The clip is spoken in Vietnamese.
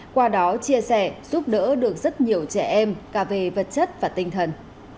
qua đó chia sẻ giúp đỡ được rất nhiều trẻ em cả về vật chất và tinh thần